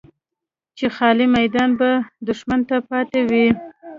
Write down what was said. چې خالي میدان به دښمن ته پاتې وي.